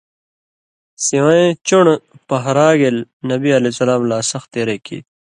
سِوَیں چُن٘ڑہ پَہرا گېل نبی علیہ السلام لا سخ تېرئ کیریۡ۔